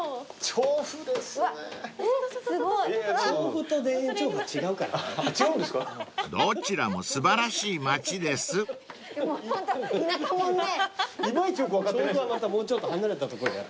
調布はまたもうちょっと離れた所だよ。